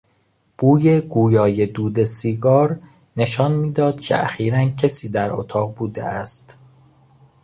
بوی گویای دود سیگار نشان میداد که اخیرا کسی در اتاق بوده است.